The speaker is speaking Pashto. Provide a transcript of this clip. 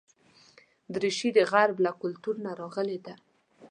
دریشي د غرب له کلتور نه راغلې ده.